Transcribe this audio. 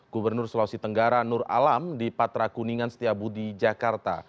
gubernur sulawesi tenggara nur alam di patra kuningan setiabudi jakarta